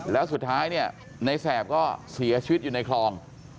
แล้วสุดท้ายเนี่ยในแสบก็เสียชีวิตอยู่ในคลอง